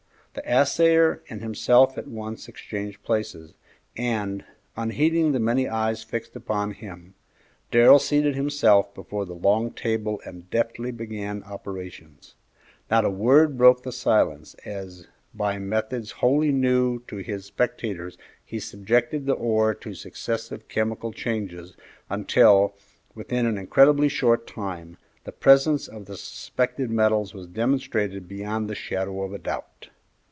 The assayer and himself at once exchanged places, and, unheeding the many eyes fixed upon him, Darrell seated himself before the long table and deftly began operations. Not a word broke the silence as by methods wholly new to his spectators he subjected the ore to successive chemical changes, until, within an incredibly short time, the presence of the suspected metals was demonstrated beyond the shadow of a doubt.